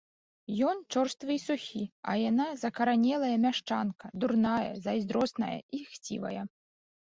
Ён чорствы і сухі, а яна закаранелая мяшчанка, дурная, зайздросная і хцівая.